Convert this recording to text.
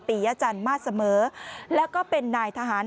ปียะจันมาสเสมอแล้วก็เป็นนายทหาร